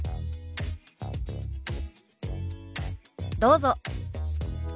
どうぞ。